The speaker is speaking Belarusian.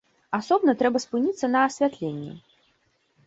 Асобна трэба спыніцца на асвятленні.